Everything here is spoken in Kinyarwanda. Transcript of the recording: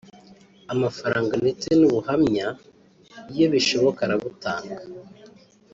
amafaranga ndetse n’ubuhamya iyo bishoboka arabutanga